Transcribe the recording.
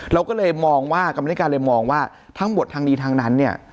เราก็เลยมองว่ากรรมนิการเลยมองว่าทั้งหมดทั้งนี้ทั้งนั้นเนี่ย